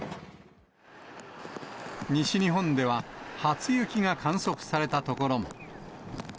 西日本では、初雪が観測された所も。